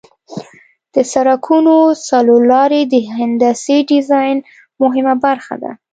د سرکونو څلور لارې د هندسي ډیزاین مهمه برخه ده